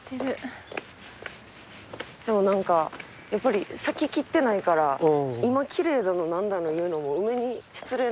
でも何かやっぱり咲ききってないから今奇麗だの何だの言うのも梅に失礼な気もして。